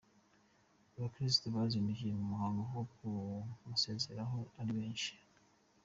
Abakirisitu bazindukiye mu muhango wo kumusezeraho ari benshi.